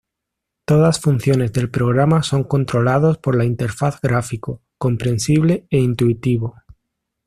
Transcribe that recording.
Todas funciones del programa son controlados por la interfaz gráfico, comprensible e intuitivo.